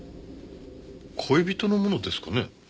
恋人のものですかね？